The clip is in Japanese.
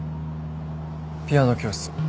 ピアノ教室。